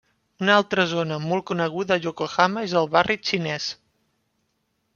Una altra zona molt coneguda a Yokohama és el barri xinès.